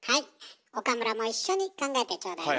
岡村も一緒に考えてちょうだいね。